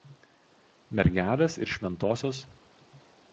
Mergelės ir šv.